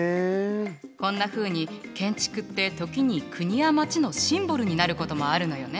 こんなふうに建築って時に国や町のシンボルになることもあるのよね。